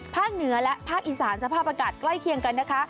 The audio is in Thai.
เหนือและภาคอีสานสภาพอากาศใกล้เคียงกันนะคะ